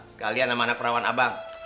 sekalian nama anak perawan abang